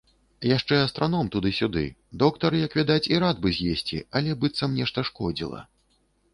Яшчэ астраном туды-сюды, доктар, як відаць, і рад бы з'есці, але быццам нешта шкодзіла.